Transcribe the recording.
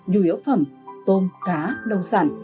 nhu yếu phẩm tôm cá đậu sẵn